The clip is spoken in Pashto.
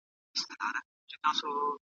موږ دا نه رسموو.